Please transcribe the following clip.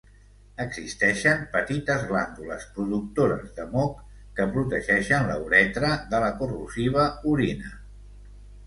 Existeixen petites glàndules productores de moc que protegeixen la uretra de la corrosiva orina.